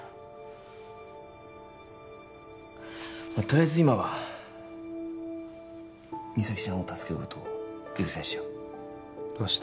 とりあえず今は実咲ちゃんを助けることを優先しよう明日